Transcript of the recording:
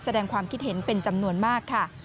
แสดงความคิดเห็นเป็นจำนวนมากค่ะ